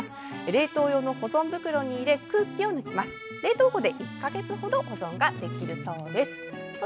冷凍用の保存袋に入れ空気を抜いて冷凍庫で１か月ほど保存できるということです。